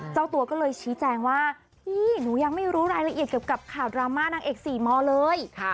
เจ้าตัวก็เลยชี้แจงว่าพี่หนูยังไม่รู้รายละเอียดเกี่ยวกับข่าวดราม่านางเอกสี่มเลย